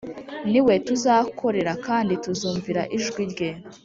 ni we tuzakorera kandi tuzumvira ijwi rye